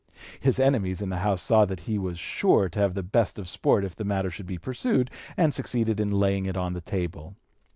His enemies in the House saw that he was sure to have the best of the sport if the matter should be pursued, and succeeded in laying it on the table.